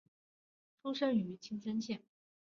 出身于青森县。